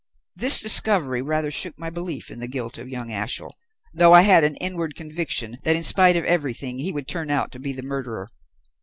This discovery rather shook my belief in the guilt of young Ashiel, although I had an inward conviction that in spite of everything he would turn out to be the murderer.